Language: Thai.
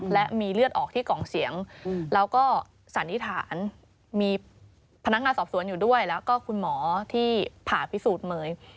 และมีเลือดออกที่กล่องเสียงแล้วก็สันนิษฐานมีพนักงานสอบสวนอยู่ด้วยแล้วก็คุณหมอที่ผ่าพิสูจน์เมย์